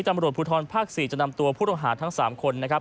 ตำรวจภูทรภาค๔จะนำตัวผู้ต้องหาทั้ง๓คนนะครับ